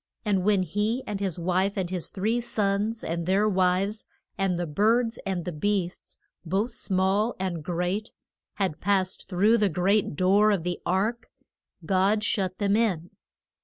And when he and his wife, and his three sons and their wives, and the birds and the beasts, both small and great, had passed through the great door of the ark, God shut them in.